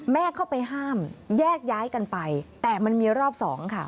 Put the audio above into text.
เข้าไปห้ามแยกย้ายกันไปแต่มันมีรอบสองค่ะ